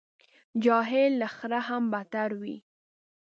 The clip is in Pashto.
جاهل له خره هم بدتر وي.